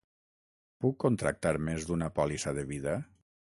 Puc contractar més d'una pòlissa de vida?